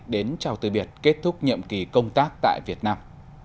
đến chào từ biệt kết thúc nhiệm kỳ công tác tại việt nam